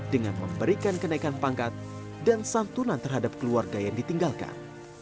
dengan memberikan kenaikan pangkat dan santunan terhadap keluarga yang ditinggalkan